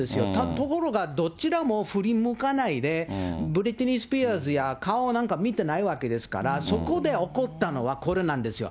ところがどちらも振り向かないで、ブリトニー・スピアーズなんて、顔やなんか見てないわけですから、そこで怒ったのはこれなんですよ。